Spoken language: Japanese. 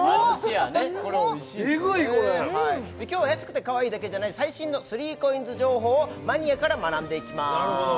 エグいこれ今日は安くてかわいいだけじゃない最新の３ＣＯＩＮＳ情報をマニアから学んでいきます